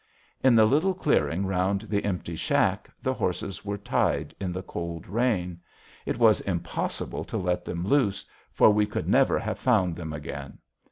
In the little clearing round the empty shack, the horses were tied in the cold rain. It was impossible to let them loose, for we could never have found them again.